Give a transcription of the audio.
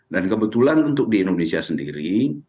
dan kebetulan untuk di indonesia sendiri